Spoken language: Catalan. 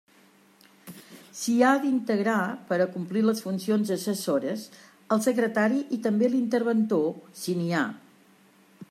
S'hi ha d'integrar, per a complir les funcions assessores, el secretari i també l'interventor, si n'hi ha.